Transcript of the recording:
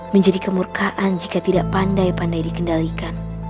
menjadi kemurkaan jika tidak pandai pandai dikendalikan